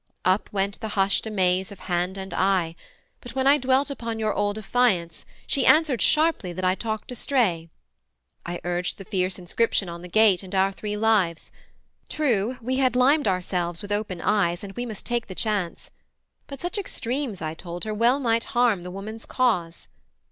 Up went the hushed amaze of hand and eye. But when I dwelt upon your old affiance, She answered sharply that I talked astray. I urged the fierce inscription on the gate, And our three lives. True we had limed ourselves With open eyes, and we must take the chance. But such extremes, I told her, well might harm The woman's cause.